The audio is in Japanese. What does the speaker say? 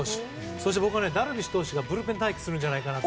そしてダルビッシュ投手がブルペン待機するんじゃないかと。